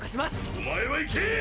お前は行け！